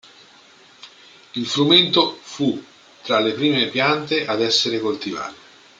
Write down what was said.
Il frumento fu tra le prime piante ad essere coltivate.